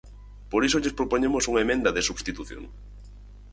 Por iso lles propoñemos unha emenda de substitución.